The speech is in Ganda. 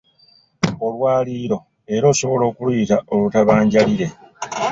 Olwaliiro era osobola okuluyita olutabanjaliire.